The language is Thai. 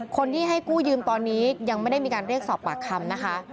คนที่ให้กู้ยืมตอนนี้ยังไม่ได้มีการเรียกสอบปากคำนะคะ